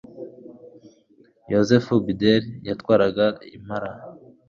yozefu bideri yatwaraga impara